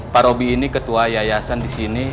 pak robi ini ketua yayasan disini